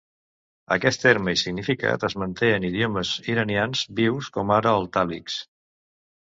Aquest terme i significat es manté en idiomes iranians vius com ara el talix.